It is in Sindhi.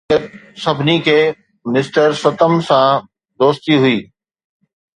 درحقيقت، سڀني کي مسٽر ستم سان دوستي هئي